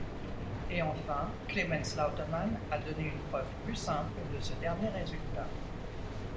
Et enfin Clemens Lautemann a donné une preuve plus simple de ce dernier résultat.